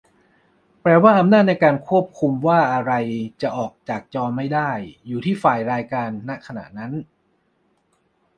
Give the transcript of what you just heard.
แปลว่าอำนาจในการคุมว่าอะไรจะออกจอไม่ได้อยู่ที่ฝ่ายรายการ ณ ขณะนั้น ?